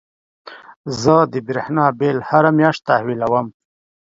زه د برېښنا بيل هره مياشت تحويل کوم.